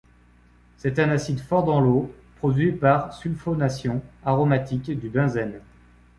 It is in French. C'est un acide fort dans l'eau, produit par sulfonation aromatique du benzène.